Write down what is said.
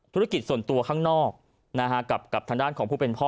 ธุรกิจส่วนตัวข้างนอกกับทางด้านของผู้เป็นพ่อ